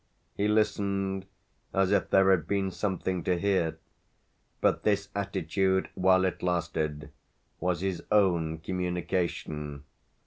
He listened as if there had been something to hear, but this attitude, while it lasted, was his own communication.